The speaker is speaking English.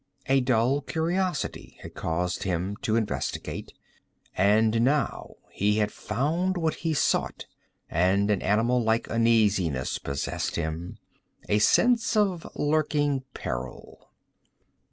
A dull curiosity had caused him to investigate; and now he had found what he sought and an animal like uneasiness possessed him, a sense of lurking peril.